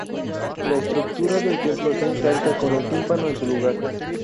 La estructura del templo está intacta con el tímpano en su lugar.